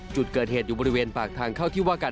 จุดเกิดเหตุอยู่บริเวณปากทางเข้าที่ว่ากัน